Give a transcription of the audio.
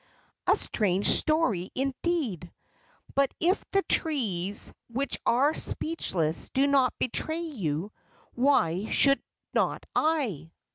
"A strange story, indeed! But if the trees, which are speechless, do not betray you, why should not I?"